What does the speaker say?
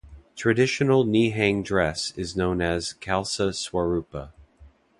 Traditional Nihang dress is known as "Khalsa Swarupa".